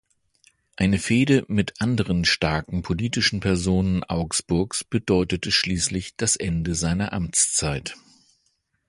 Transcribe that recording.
Eine Fehde mit anderen starken politischen Personen Augsburgs bedeutete schließlich das Ende seiner Amtszeit.